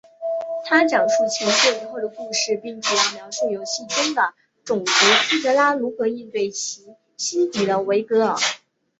它讲述前作以后的故事并主要描述游戏中的种族希格拉如何应对其新敌人维格尔。